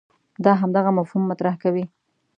دا همدغه مفهوم مطرح کوي.